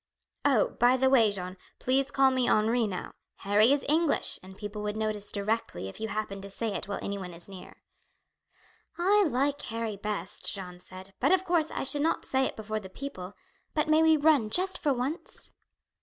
"Oh, by the way, Jeanne, please call me Henri now; Harry is English, and people would notice directly if you happened to say it while anyone is near." "I like Harry best," Jeanne said; "but, of course, I should not say it before the people; but may we run just for once?"